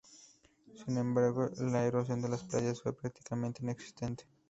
Sin embargo, la erosión de las playas fue prácticamente inexistente.